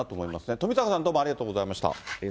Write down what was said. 富坂さん、どうもありがとうございました。